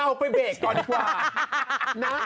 เอาไปเบรกก่อนดีกว่า